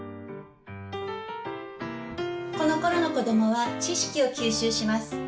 このころの子どもは知識を吸収します。